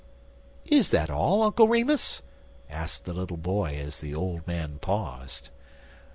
"Is that all, Uncle Remus?" asked the little boy as the old man paused.